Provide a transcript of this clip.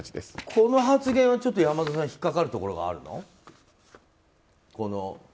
この発言はちょっと山田さん引っかかるところがあるの？